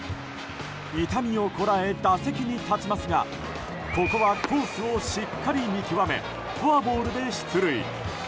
痛みをこらえ打席に立ちますがここはコースをしっかり見極めフォアボールで出塁。